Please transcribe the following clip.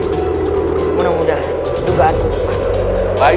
terima kasih pak manor